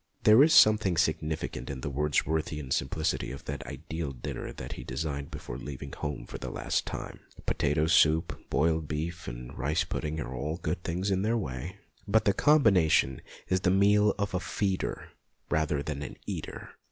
There is something significant in the Wordsworthian simplicity of that ideal dinner that he designed before leaving home for the last time. Potato soup, boiled beef, and rice pudding are all good things in their way. PENSIONS FOR POETS 67 but the combination is the meal of a feeder rather than an eater.